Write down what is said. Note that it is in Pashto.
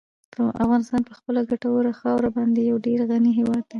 افغانستان په خپله ګټوره خاوره باندې یو ډېر غني هېواد دی.